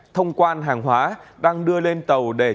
thông quan hàng hóa đang đưa lên tàu để